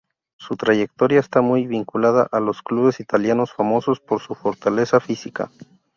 Su trayectoria está muy vinculada a los clubes italianos, famosos por su fortaleza física.